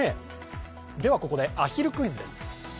ではここで、あひるクイズです。